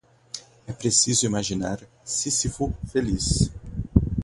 É preciso imaginar Sísifo feliz